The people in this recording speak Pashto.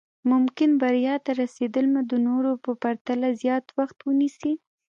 ممکن بريا ته رسېدل مو د نورو په پرتله زیات وخت ونيسي.